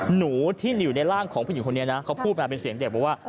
หนูที่อยู่ในร่างของผู้หญิงคนนี้นะเขาพูดมาเป็นเสียงเด็กบอกว่า